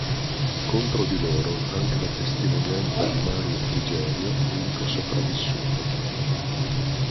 Contro di loro anche la testimonianza di Mario Frigerio, unico sopravvissuto.